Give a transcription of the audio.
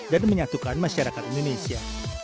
dan menyatukan masyarakat indonesia